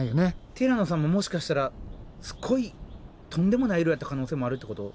ティラノさんももしかしたらすっごいとんでもない色やった可能性もあるってこと？